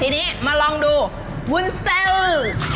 ทีนี้มาลองดูวุ้นเซล